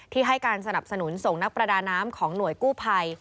ให้การสนับสนุนส่งนักประดาน้ำของหน่วยกู้ภัย